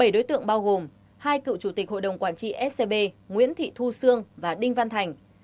bảy đối tượng bao gồm hai cựu chủ tịch hội đồng quản trị scb nguyễn thị thu sương và đinh văn thành